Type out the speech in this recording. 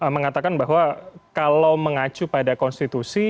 mengatakan bahwa kalau mengacu pada konstitusi